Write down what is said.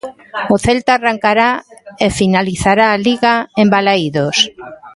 O Celta arrancará e finalizará a Liga en Balaídos.